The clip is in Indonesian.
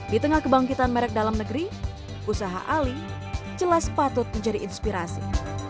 di tengah kebangkitan merek dalam negeri usaha ali jelas patut menjadi inspirasi